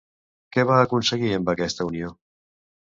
Què va aconseguir amb aquesta unió?